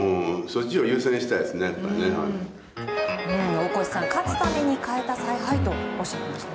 大越さん勝つために代えた采配とおっしゃっていました。